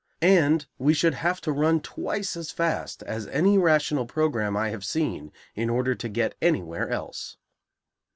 And we should have to run twice as fast as any rational program I have seen in order to get anywhere else.